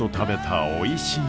んおいしい！